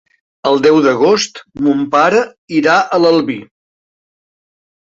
El deu d'agost mon pare irà a l'Albi.